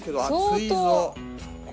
相当。